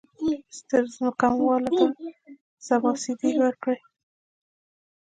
ستر ځمکوالو ته سبسایډي ورکړي.